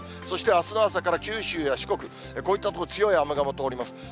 そしてあすの朝から九州や四国、こういった所で強い雨雲が通ります。